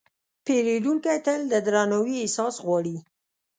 پیرودونکی تل د درناوي احساس غواړي.